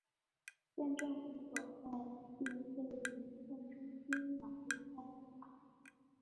县政府所在地位于县中心的玛丽埃塔。